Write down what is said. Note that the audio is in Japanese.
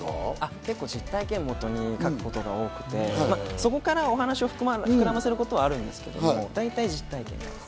結構、実体験をもとに書くことが多くて、そこからお話を膨らませることはあるんですけど、大体は実体験です。